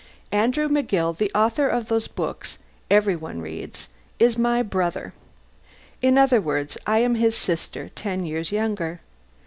Andrew McGill, the author of those books every one reads, is my brother. In other words, I am his sister, ten years younger.